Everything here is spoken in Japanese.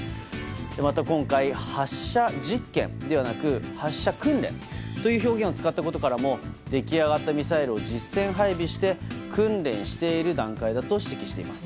また今回、発射実験ではなく発射訓練という表現を使ったことからも出来上がったミサイルを実戦配備して訓練している段階だと指摘しています。